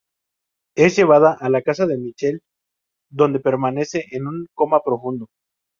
Es llevada a la casa de Michael, donde permanece en un coma profundo.